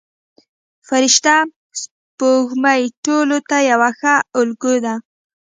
فرشته سپوږمۍ ټولو ته یوه ښه الګو ده.